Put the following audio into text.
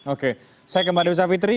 oke saya ke mbak dewi savitri